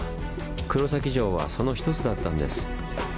黒崎城はその一つだったんです。